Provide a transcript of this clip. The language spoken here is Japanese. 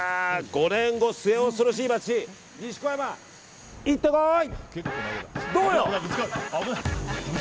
５年後、末恐ろしい街西小山、いってこい！